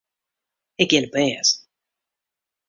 Ik gean op bêd.